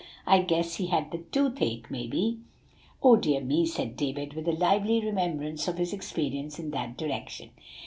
I guess he had the tooth ache, maybe." "Oh, dear me!" said David, with a lively remembrance of his experience in that direction.